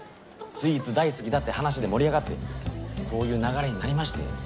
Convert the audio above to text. スイーツ大好きだって話で盛り上がってそういう流れになりまして。